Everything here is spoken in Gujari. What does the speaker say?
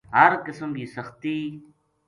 ہر قسم کی سختی